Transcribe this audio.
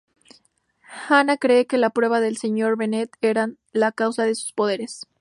Hana cree que las pruebas de Sr. Bennet eran la causa de sus poderes.